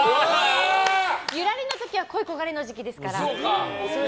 「ゆらり」の時は恋い焦がれの時期ですから。